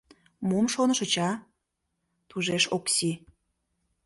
— Мом шонышыч, а? — тужеш Окси.